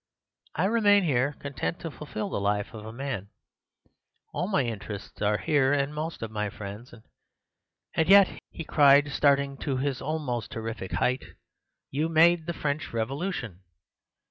I remain here, content to fulfil the life of man. All my interests are here, and most of my friends, and—' "'And yet,' he cried, starting to his almost terrific height, 'you made the French Revolution!